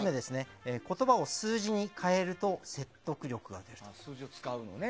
言葉を数字に変えると説得力が出る。